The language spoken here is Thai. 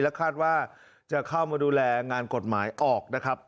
คาดว่าจะเข้ามาดูแลงานกฎหมายออกนะครับ